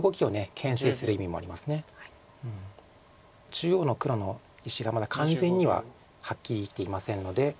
中央の黒の石がまだ完全にははっきり生きていませんので。